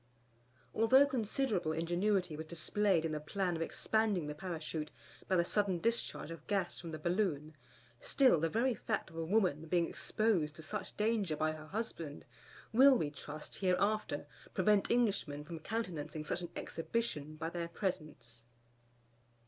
Although considerable ingenuity was displayed in the plan of expanding the Parachute by the sudden discharge of gas from the balloon; still the very fact of a woman being exposed to such danger by her husband, will, we trust, hereafter prevent Englishmen from countenancing such an exhibition by their presence.